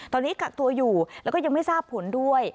ตอนนี้กักตัวอยู่แล้วก็ยังไม่ทราบผลด้วย